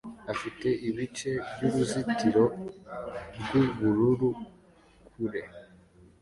afite ibice byuruzitiro rwubururu kure